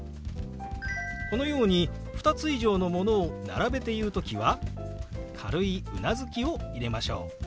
このように２つ以上のものを並べて言う時は軽いうなずきを入れましょう。